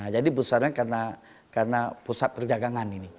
jadi pusatnya karena pusat perdagangan ini